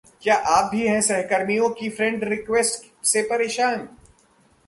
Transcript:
क्या आप भी हैं सहकर्मियों की फ्रेंड रिक्वेस्ट से परेशान